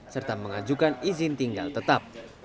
serta mengajukan izin tinggal tetap